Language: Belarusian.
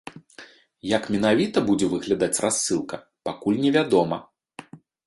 Як менавіта будзе выглядаць рассылка, пакуль невядома.